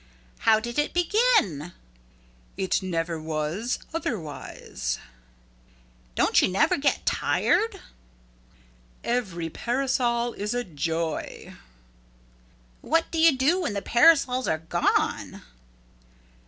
"How did it begin?" "It never was otherwise." "Don't you never get tired?" "Every parasol is a joy." "What do you do when the parasols are gone?"